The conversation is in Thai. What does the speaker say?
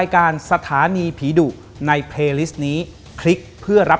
ขอบคุณนะครับ